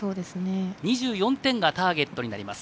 ２４点がターゲットになります。